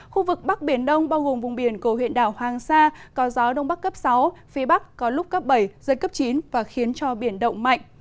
khu vực bắc biển đông bao gồm vùng biển của huyện đảo hoàng sa có gió đông bắc cấp sáu phía bắc có lúc cấp bảy giật cấp chín và khiến cho biển động mạnh